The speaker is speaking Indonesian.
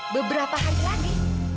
beberapa hari lagi